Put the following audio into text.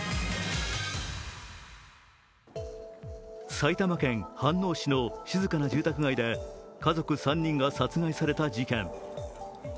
埼玉県飯能市の静かな住宅街で家族３人が殺害された事件。